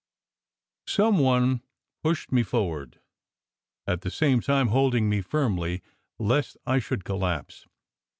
Some one pushed me forward, at the same time holding me firmly lest I should collapse.